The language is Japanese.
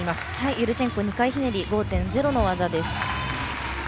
ユルチェンコ２回ひねり５．０の技です。